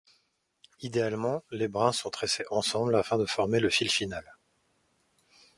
Idéalement, les brins sont tressés ensemble afin de former le fil final.